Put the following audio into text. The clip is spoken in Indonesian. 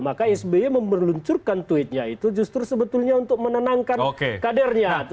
maka sby memeluncurkan tweetnya itu justru sebetulnya untuk menenangkan kadernya